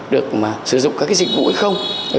được mà sử dụng các cái dịch vụ hay không